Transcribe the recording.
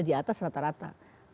di atas rata rata